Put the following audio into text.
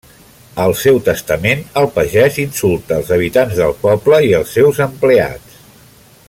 Al seu testament, el pagès insulta els habitants del poble i els seus empleats.